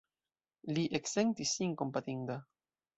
Li eksentis sin kompatinda.